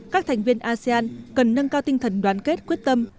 các thành viên asean cần nâng cao tinh thần đoán kết quyết tâm